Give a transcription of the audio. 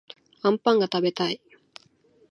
あんぱんがたべたい